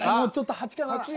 ８か７。